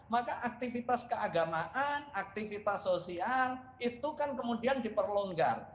maka aktivitas keagamaan aktivitas sosial itu kan kemudian diperlonggar